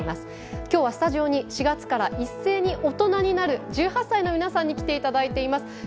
今日はスタジオに４月から一斉に大人になる１８歳の皆さんに来ていただいています。